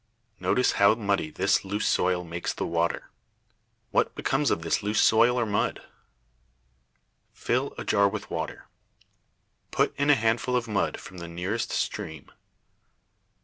Notice how muddy this loose soil makes the water. What becomes of this loose soil, or mud? Fill a jar with water. Put in a handful of mud from the nearest stream.